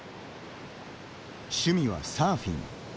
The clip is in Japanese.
趣味はサーフィン。